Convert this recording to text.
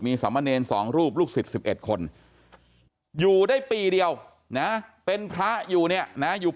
สามเณร๒รูปลูกศิษย์๑๑คนอยู่ได้ปีเดียวนะเป็นพระอยู่เนี่ยนะอยู่